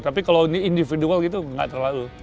tapi kalau ini individual gitu nggak terlalu